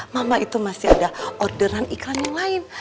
mama itu masih ada orderan iklan yang lain